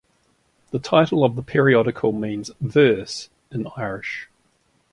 The title of the periodical means "verse" in Irish.